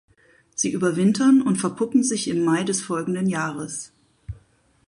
Sie überwintern und verpuppen sich im Mai des folgenden Jahres.